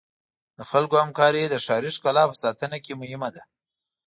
د خلکو همکاري د ښاري ښکلا په ساتنه کې مهمه ده.